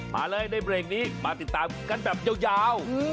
มาเลยในเบรกนี้มาติดตามกันแบบยาว